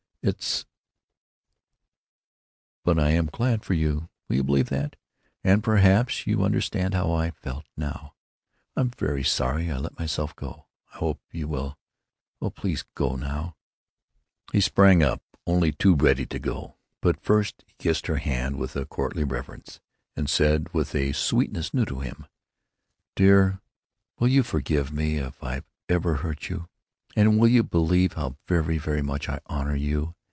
"It's——But I am glad for you. Will you believe that? And perhaps you understand how I felt, now. I'm very sorry I let myself go. I hope you will——Oh, please go now." He sprang up, only too ready to go. But first he kissed her hand with a courtly reverence, and said, with a sweetness new to him: "Dear, will you forgive me if I've ever hurt you? And will you believe how very, very much I honor you?